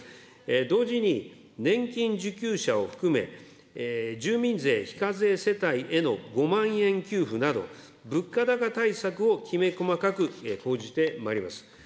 同時に年金受給者を含め、住民税非課税世帯への５万円給付など、物価高対策をきめ細かく講じてまいります。